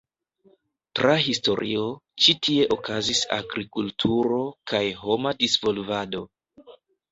Tra historio, ĉi tie okazis agrikulturo kaj homa disvolvado.